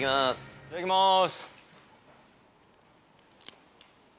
いただきます。